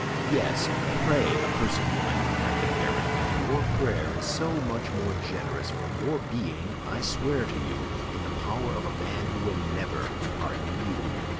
"Yes, pray, accursed woman!" cried the baron; "your prayer is so much the more generous from your being, I swear to you, in the power of a man who will never pardon you!"